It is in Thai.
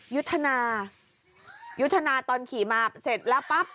ยุทธนายุทธนาตอนขี่มาเสร็จแล้วปั๊บ